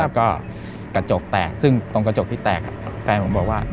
ก็กระจกแตกซึ่งตรงกระจกที่แตกแฟนผมบอกว่า